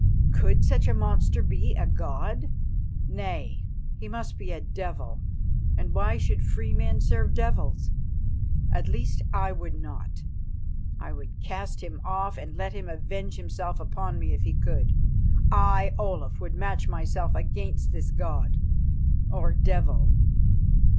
Could such a monster be a god? Nay, he must be a devil, and why should free men serve devils? At least, I would not. I would cast him off, and let him avenge himself upon me if he could. I, Olaf, would match myself against this god or devil.